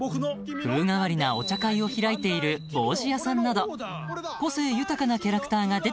［風変わりなお茶会を開いている帽子屋さんなど個性豊かなキャラクターが出てきますが］